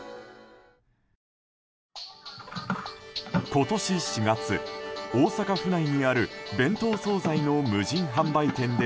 今年４月、大阪府内にある弁当総菜の無人販売店で